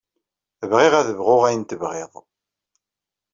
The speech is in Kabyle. Bɣiɣ ad bɣuɣ ayen tebɣiḍ.